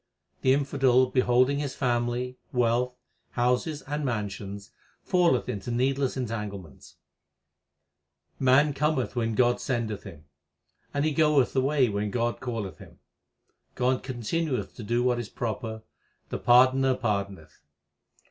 The infidel beholding his family, wealth, houses, and mansions falleth into needless entanglements. HYMNS OF GURU NANAK 355 Man cometh when God sendeth him, and he goeth away when God calleth him. God continueth to do what is proper ; the Pardoner pardoneth.